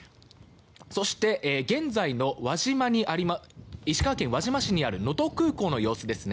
そして現在の石川県輪島市にある能登空港の様子です。